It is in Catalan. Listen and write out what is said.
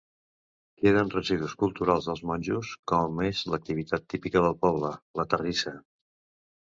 Queden residus culturals dels monjos com és l'activitat típica del poble, la terrissa.